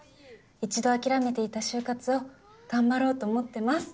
「一度諦めていた就活を頑張ろうと思ってます」